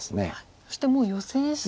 そしてもうヨセですが。